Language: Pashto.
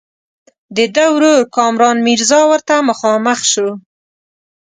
د ده ورور کامران میرزا ورته مخامخ شو.